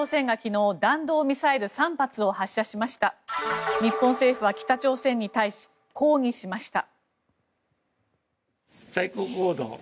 日本政府は北朝鮮に対し抗議しました。